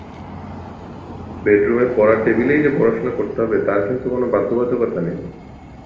বেডরুমের পড়ার টেবিলেই যে পড়াশুনা করতে হবে, তার কিন্তু কোনো বাধ্যবাধকতা নেই।